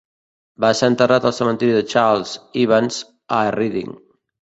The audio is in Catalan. Va ser enterrat al cementiri de Charles Evans a Reading.